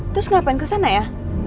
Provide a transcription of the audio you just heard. terus ngapain kesana ya